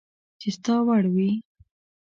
چي ستا وړ وي